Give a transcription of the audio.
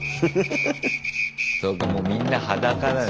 そうかもうみんな裸だよ